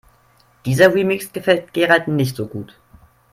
Dieser Remix gefällt Gerald nicht so gut.